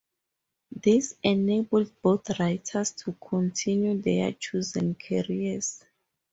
This enabled both writers to continue their chosen careers.